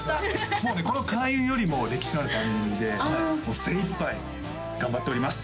もうねこの開運よりも歴史のある番組で精いっぱい頑張っております